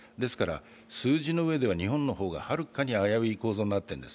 数字の上では日本の方が遥かに危うい構造になっているんです。